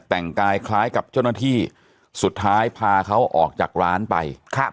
แต่งกายคล้ายกับเจ้าหน้าที่สุดท้ายพาเขาออกจากร้านไปครับ